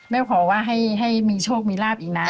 ขอว่าให้มีโชคมีลาบอีกนะ